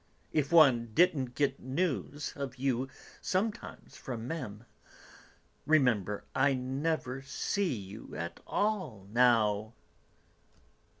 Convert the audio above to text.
If one didn't get news of you, sometimes, from Mémé... Remember, I never see you at all now!"